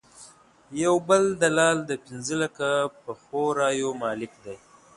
یو بل دلال د پنځه لکه پخو رایو مالک دی.